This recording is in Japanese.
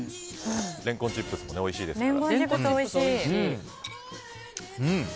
レンコンチップスもおいしいですから。